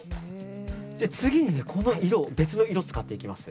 次に別の色を使っていきます。